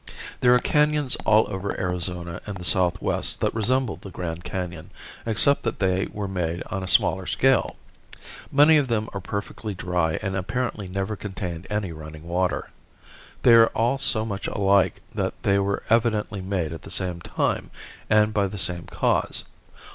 There are canons all over Arizona and the southwest that resemble the Grand Canon, except that they were made on a smaller scale. Many of them are perfectly dry and apparently never contained any running water. They are all so much alike that they were evidently made at the same time and by the same cause.